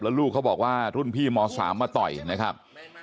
ลูกเขาบอกว่ารุ่นพี่ม๓มาต่อยนะครับ